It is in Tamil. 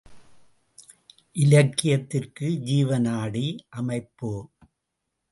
இலக்கியத்திற்கு ஜீவநாடி அமைப்பு.